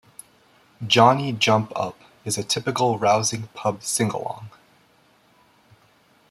"Johnny Jump Up" is a typical rousing pub sing-along.